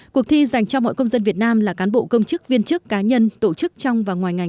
cuộc thi dành cho mọi công dân việt nam là cán bộ công chức viên chức cá nhân tổ chức trong và ngoài ngành